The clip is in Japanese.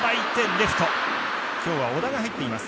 レフト、今日は小田が入っています。